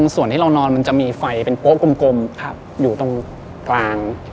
ส่วนที่เรานอนมันจะมีไฟเป็นโป๊ะกลมอยู่ตรงกลาง